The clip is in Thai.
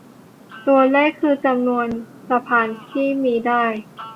ตัวเลขคือจำนวนสะพานที่มีได้